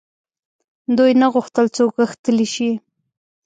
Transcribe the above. دوی نه غوښتل څوک غښتلي شي.